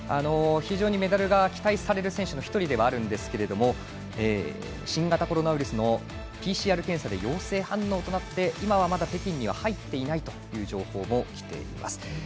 非常にメダルが期待される選手の１人ではあるんですが新型コロナウイルスのＰＣＲ検査で陽性反応となって今はまだ北京には入っていないという情報も入っています。